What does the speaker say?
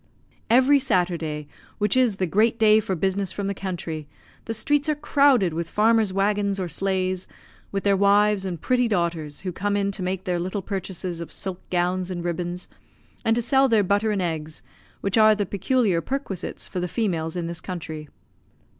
Every Saturday, which is the great day for business from the country, the streets are crowded with farmers' waggons or sleighs, with their wives and pretty daughters, who come in to make their little purchases of silk gowns and ribbons, and to sell their butter and eggs, which are the peculiar perquisites for the females in this country.